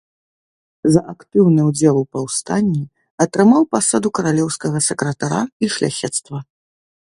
За актыўны ўдзел у паўстанні атрымаў пасаду каралеўскага сакратара і шляхецтва.